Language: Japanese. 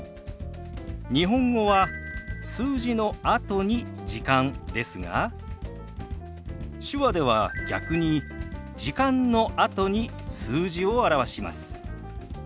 日本語は数字のあとに「時間」ですが手話では逆に「時間」のあとに数字を表します。